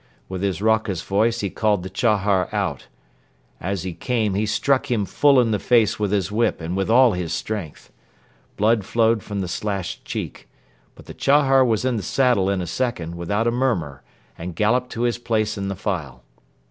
With his raucous voice he called the Chahar out. As he came, he struck him full in the face with his whip and with all his strength. Blood flowed from the slashed cheek. But the Chahar was in the saddle in a second without a murmur and galloped to his place in the file.